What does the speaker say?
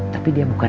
tapi dia bukan dewasa